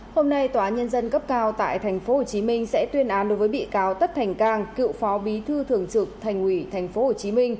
hôm nay tòa nhân dân cấp cao tại tp hcm sẽ tuyên án đối với bị cáo tất thành cang cựu phó bí thư thường trực thành ủy tp hcm